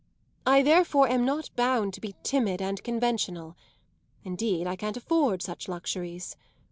I therefore am not bound to be timid and conventional; indeed I can't afford such luxuries.